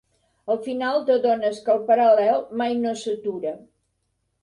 Al final t'adones que el Paral·lel mai no s'atura.